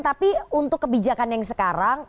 tapi untuk kebijakan yang sekarang